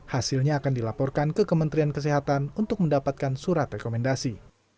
hasilnya akan dilaporkan ke kementerian kesehatan untuk mendapatkan surat rekomendasi